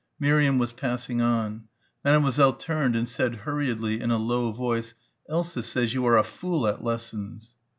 Miriam was passing on. Mademoiselle turned and said hurriedly in a low voice. "Elsa says you are a fool at lessons."